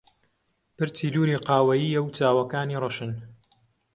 پرچی لوولی قاوەیییە و چاوەکانی ڕەشن.